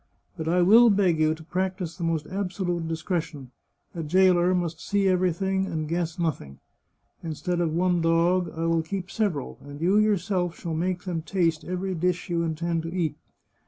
But I will beg you to practise the most absolute discretion ; a jailer must see everything, and guess nothing. Instead of one dog, I will keep several, and you yourself shall make them taste every dish you intend to eat.